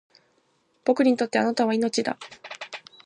僕にとって貴方は命だ